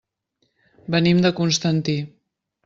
Venim de Constantí.